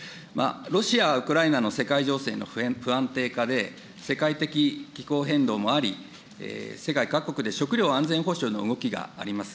ロシア、ウクライナの世界情勢の不安定化で、世界的気候変動もあり、世界各国で食料安全保障の動きがあります。